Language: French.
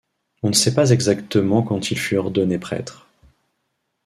On ne sait pas exactement quand il fut ordonné prêtre.